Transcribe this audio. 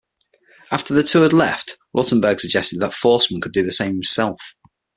After the two had left, Ruttenberg suggested that Forstmann could do the same himself.